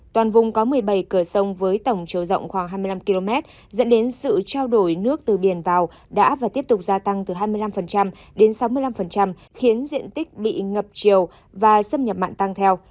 toàn vùng có một mươi bảy cửa sông với tổng chiều rộng khoảng hai mươi năm km dẫn đến sự trao đổi nước từ biển vào đã và tiếp tục gia tăng từ hai mươi năm đến sáu mươi năm khiến diện tích bị ngập chiều và xâm nhập mặn tăng theo